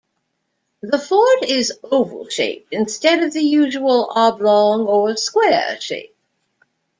The fort is oval shaped instead of the usual oblong or square shape.